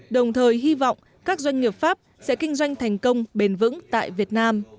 đồng thời hy vọng các doanh nghiệp pháp sẽ kinh doanh thành công bền vững tại việt nam